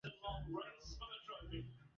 na walowezi wake katika Amerika ya Kaskazini